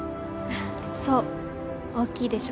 そう大きいでしょ？